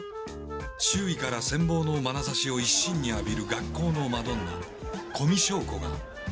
周囲から羨望のまなざしを一身に浴びる学校のマドンナ古見硝子が。